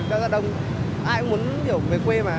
mọi người về rất là đông ai cũng muốn hiểu về quê mà